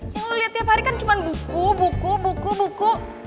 yang melihat tiap hari kan cuma buku buku buku buku